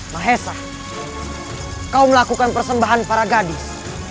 mahesa kau melakukan persembahan para gadis